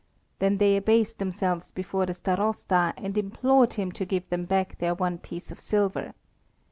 Then they abased themselves before the Starosta and implored him to give them back their one piece of silver.